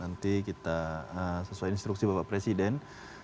nanti kita sesuai instruksi bapak presiden